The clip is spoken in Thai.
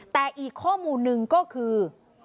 แต่อีกข้อมูลหนึ่งก็คือ